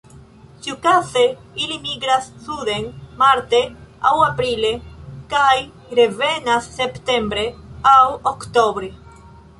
Ĉiukaze ili migras suden marte aŭ aprile kaj revenas septembre aŭ oktobre.